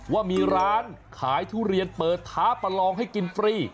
ว่ามีร้านขายทุเรียนเปิดท้าประลองให้กินฟรี